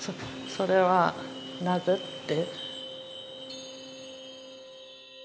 それはなぜ？って。